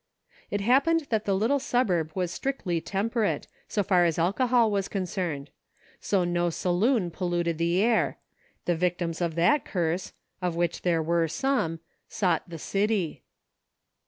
It happened that the little suburb was strictly temperate, so far as alcohol was con cerned ; so no saloon polluted the air ; the victims of that curse — of which there were some — sought the city.